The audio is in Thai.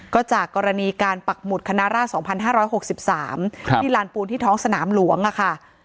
ก็จากกรณีการปักหมุดคณะราช๒๕๖๓ที่ลานปูนที่ท้องสนามหลวงค่ะ